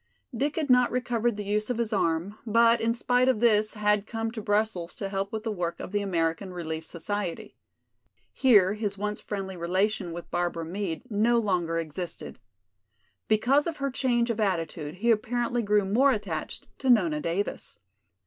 Dick had not recovered the use of his arm, but in spite of this had come to Brussels to help with the work of the American Relief society. Here his once friendly relation with Barbara Meade no longer existed. Because of her change of attitude he apparently grew more attached to Nona Davis.